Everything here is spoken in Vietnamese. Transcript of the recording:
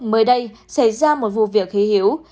mới đây xảy ra một vụ việc khí hiểu